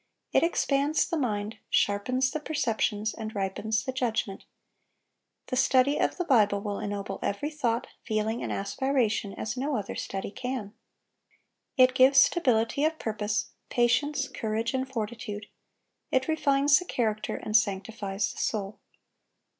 It expands the mind, sharpens the perceptions, and ripens the judgment. The study of the Bible will ennoble every thought, feeling, and aspiration as no other study can. It gives stability of purpose, patience, courage, and fortitude; it refines the character, and sanctifies the soul.